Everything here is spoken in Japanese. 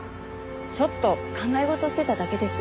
ちょっと考え事してただけです。